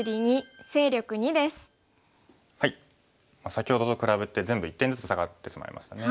先ほどと比べて全部１点ずつ下がってしまいましたね。